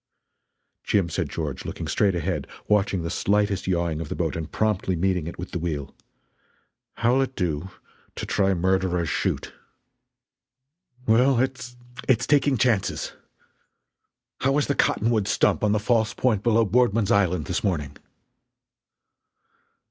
"Jim," said George, looking straight ahead, watching the slightest yawing of the boat and promptly meeting it with the wheel, "how'll it do to try Murderer's Chute?" "Well, it's it's taking chances. How was the cottonwood stump on the false point below Boardman's Island this morning?"